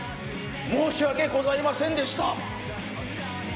申し訳ございませんでした。